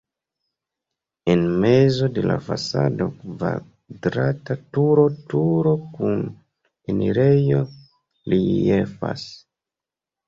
En mezo de la fasado kvadrata turo turo kun enirejo reliefas.